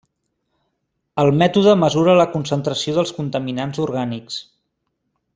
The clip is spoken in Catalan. El mètode mesura la concentració dels contaminants orgànics.